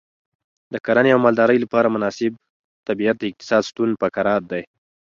د کرنې او مالدارۍ لپاره مناسب طبیعت د اقتصاد ستون فقرات دی.